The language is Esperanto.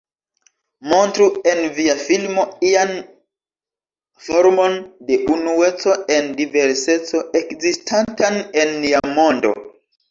Montru en via filmo ian formon de Unueco en Diverseco ekzistantan en nia mondo.